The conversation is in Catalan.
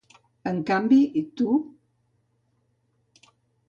En canvi, tu…